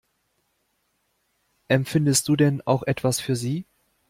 Empfindest du denn auch etwas für sie?